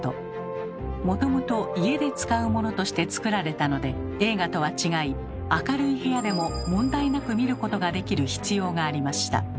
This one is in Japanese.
もともと家で使うものとして作られたので映画とは違い明るい部屋でも問題なく見ることができる必要がありました。